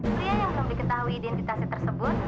pria yang mempikir tahu identitasnya tersebut